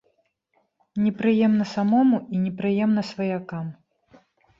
Непрыемна самому і непрыемна сваякам.